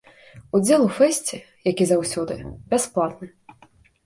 Удзел у фэсце, як і заўсёды, бясплатны.